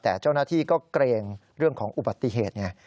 แต่เจ้าหน้าที่ก็เกรงเรื่องของอุบัติเหตุไง